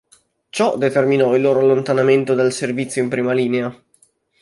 Ciò determinò il loro allontanamento dal servizio in prima linea.